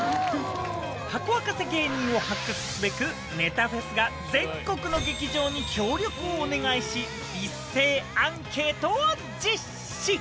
ハコ沸かせ芸人を発掘すべく、ネタフェスが全国の劇場に協力をお願いし、一斉アンケートを実施。